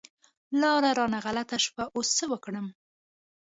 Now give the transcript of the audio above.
لاره رانه غلطه شوه، اوس څه وکړم؟